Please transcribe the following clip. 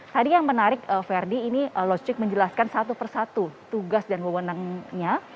tadi yang menarik ferdi ini locik menjelaskan satu persatu tugas dan wewenangnya